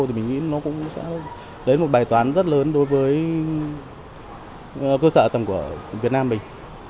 thì mình nghĩ nó cũng sẽ đến một bài toán rất lớn đối với cơ sở tầng của việt nam mình